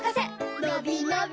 のびのび